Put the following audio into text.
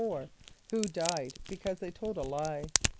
= Who died because they told a lie?